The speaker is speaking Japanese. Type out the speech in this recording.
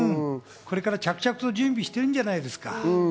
これから着々と準備してるんじゃないですか。